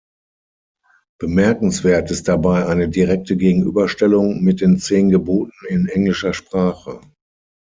Bemerkenswert ist dabei eine direkte Gegenüberstellung mit den Zehn Geboten in englischer Sprache.